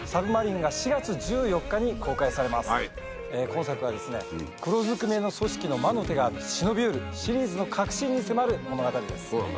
今作は黒ずくめの組織の魔の手が忍び寄るシリーズの核心に迫る物語です。